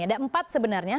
ada empat sebenarnya